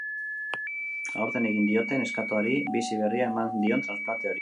Aurten egin diote neskatoari bizi berria eman dion transplante hori.